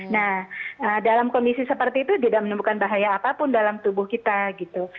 nah dalam kondisi seperti itu tidak menemukan bahaya apapun dalam tubuh kita gitu